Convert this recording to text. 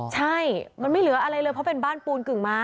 ใช่มันไม่เหลืออะไรเลยเพราะเป็นบ้านปูนกึ่งไม้